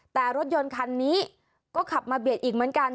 แต่รถยนต์คันนี้ก็ขับมาเบียดอีกเหมือนกัน